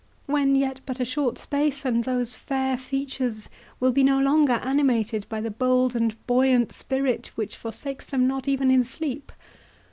—When yet but a short space, and those fair features will be no longer animated by the bold and buoyant spirit which forsakes them not even in sleep!